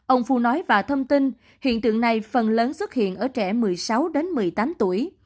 ông phu nói và thông tin hiện tượng này phần lớn xuất hiện ở trẻ một mươi sáu đến một mươi tám tuổi